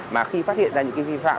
mà khi phát hiện ra những vi phạm